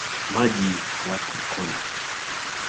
Maji hufuata mkondo